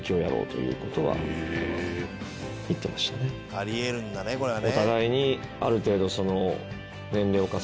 「あり得るんだねこれがね」